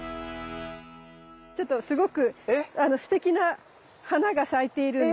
ちょっとすごくすてきな花が咲いているんで。